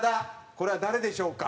これは誰でしょうか？